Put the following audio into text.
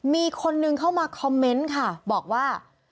มีคนนึงเข้ามาคอมเมนต์ค่ะบอกว่า